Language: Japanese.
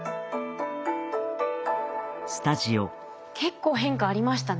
結構変化ありましたね。